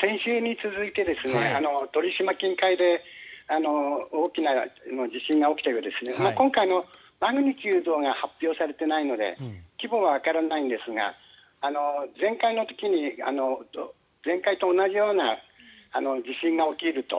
先週に続いて鳥島近海で大きな地震が起きて今回、マグニチュードが発表されていないので規模はわからないんですが前回と同じような地震が起きると。